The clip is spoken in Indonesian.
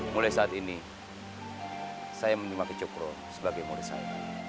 mulai saat ini saya menikmati cokro sebagai murid saya